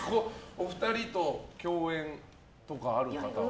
お二人と共演とかある方は。